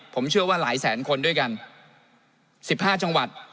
ผมเชื่อว่าหลายแสนคนด้วยกัน๑๕จังหวัด